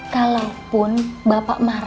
kalaupun bapak mah sayang